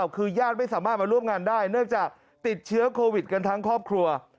คือญาติไม่สามารถมาร่วมงานได้เนื่องจากติดเชื้อโควิดกันทั้งครอบครัว